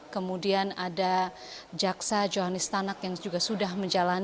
kemudian ada jaksa johanis tanak yang juga sudah menjalankan